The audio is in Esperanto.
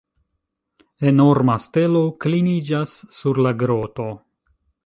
Enorma stelo kliniĝas sur la groto.